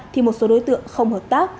thì một số đối tượng không hợp tác